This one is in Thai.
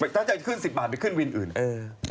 แต่จะขึ้น๑๐บาทก็ขึ้นวินอืม